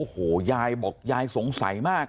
โอ้โหยายบอกยายสงสัยมาก